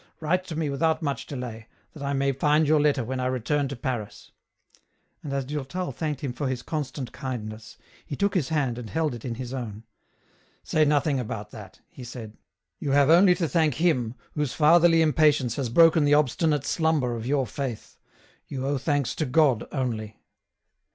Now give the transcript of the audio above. Write to me without much delay, that I may find your letter when I return to Paris." And as Durtal thanked him for his constant kindness, he took his hand and held it in his own. " Say nothing about that," he said ;" you have only to thank Him, whose fatherly impatience has broken the obstinate slumber of your Faith ; you owe thanks to God only.